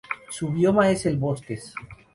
Su bioma es el bosques.